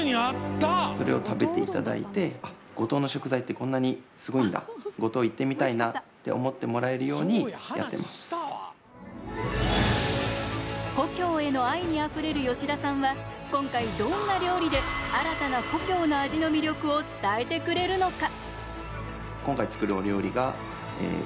それを食べていただいて故郷への愛にあふれる吉田さんは、今回どんな料理で新たな故郷の味の魅力を伝えてくれるのか。